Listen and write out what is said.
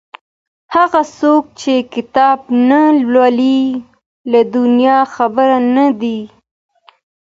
هغه څوک چي کتاب نه لوړي له دنيا خبر نه دی.